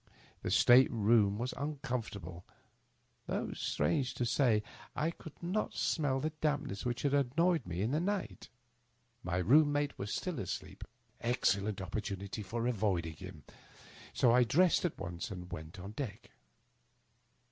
The state room was uncomfortable ; though, strange to say, I could not smell the dampness which had annoyed me in the night My room mate was still asleep— excellent op portunity for avoiding him; so I dressed at once and went on deck.